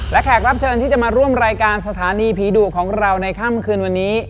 และแขกรับเชิญที่จะมาร่วมรายการสถานีผีดุของเราในค่ำคืนวันนี้